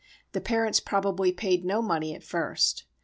The parents probably paid no money at first.